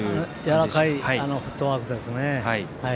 やわらかいフットワークですね。